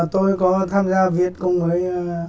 tôi có tham gia viết cùng với